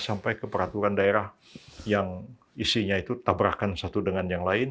sampai ke peraturan daerah yang isinya itu tabrakan satu dengan yang lain